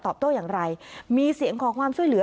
โต้อย่างไรมีเสียงขอความช่วยเหลือ